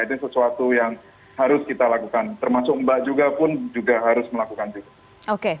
itu sesuatu yang harus kita lakukan termasuk mbak juga pun juga harus melakukan juga